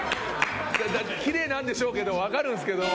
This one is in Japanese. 奇麗なんでしょうけど分かるんですけど。